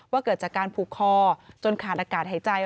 เกิดจากการผูกคอจนขาดอากาศหายใจ